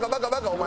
お前。